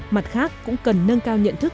mặt khác cũng cần nâng cao nhận thức